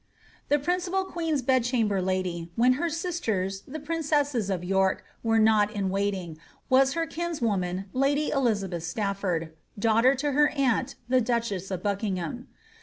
The principal queen's bed chamber lady, when her sistersi the princesses of York, were not in waiting, was her kinswoman lady Elizabeth Staflbrd, daughter to her aunt the duchess of Buckingham.